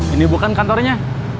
ini bukan kantornya